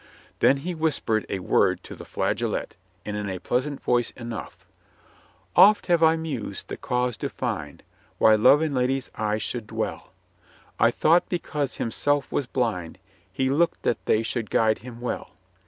Then he whispered a word to the flageolet, and in a pleasant voice enough : Oft have I mused the cause to find Why love in ladies' eyes should dwell ; I thought because himself was blind He looked that they should guide him well.